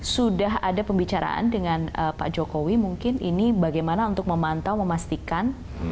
sudah ada pembicaraan dengan pak jokowi mungkin ini bagaimana untuk memantau memastikan